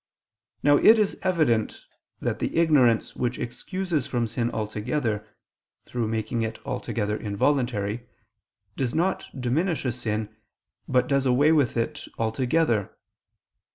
Now it is evident that the ignorance which excuses from sin altogether (through making it altogether involuntary) does not diminish a sin, but does away with it altogether.